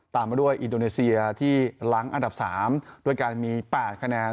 มาด้วยอินโดนีเซียที่หลังอันดับ๓ด้วยการมี๘คะแนน